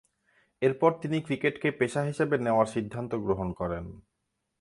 এরপর তিনি ক্রিকেটকে পেশা হিসেবে নেওয়ার সিদ্ধান্ত গ্রহণ করেন।